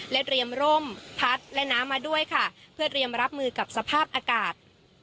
เตรียมร่มพัดและน้ำมาด้วยค่ะเพื่อเตรียมรับมือกับสภาพอากาศ